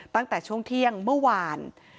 ตั้งแต่ช่วงเที่ยงเมื่อวาน